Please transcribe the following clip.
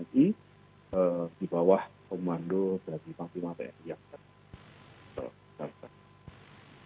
di bawah komando dari pantai lima tni